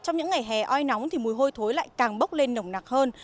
ngày hè oi nóng thì mùi hôi thối lại càng bốc lên nồng nặc hơn